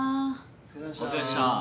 お疲れっした。